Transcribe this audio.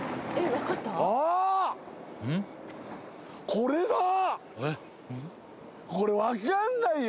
これわかんないよ！